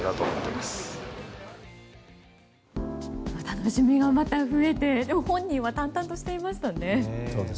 楽しみがまた増えてでも、本人は淡々としていましたね。